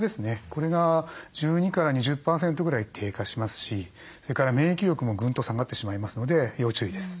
これが１２２０％ぐらい低下しますしそれから免疫力もぐんと下がってしまいますので要注意です。